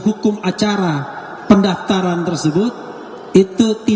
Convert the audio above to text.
hukum acara pendatang kutip yang berdiri di dalam hal ini